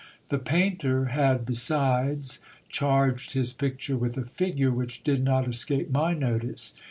The painter had besides charged his picture with a figure which did not escape my notice.